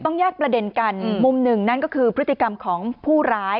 แยกประเด็นกันมุมหนึ่งนั่นก็คือพฤติกรรมของผู้ร้าย